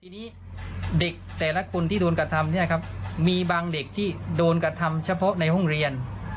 ทีนี้เด็กแต่ละคนที่โดนกระทำเนี่ยครับมีบางเด็กที่โดนกระทำเฉพาะในห้องเรียน